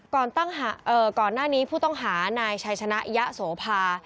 ก่อนหน้านี้ผู้ต้องหานายชัยชนะยะโสภา